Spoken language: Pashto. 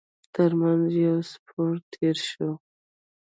تر مينځ يې يو سپور تېر شو.